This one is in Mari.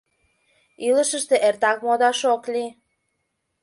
Илышыште эртак модаш ок лий.